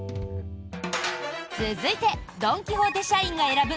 続いてドン・キホーテ社員が選ぶ